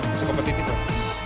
bisa kompetitif loh